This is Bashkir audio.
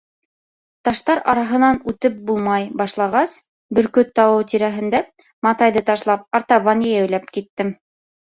Таштар араһынан үтеп булмай башлағас, Бөркөт тауы тирәһендә матайҙы ташлап, артабан йәйәүләп киттем.